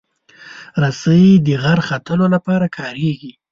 رسۍ د غر ختلو لپاره کارېږي.